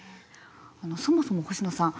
そもそも星野さん